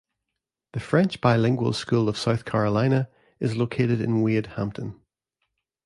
The French Bilingual School of South Carolina is located in Wade Hampton.